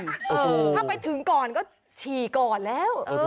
ถ้าไปถึงก่อนก็ฉี่ก่อนแล้ว